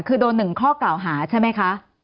คือโดน๑ข้อกล่าวหาใช่ไหมคะ